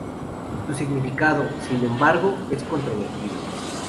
Su significado, sin embargo, es controvertido.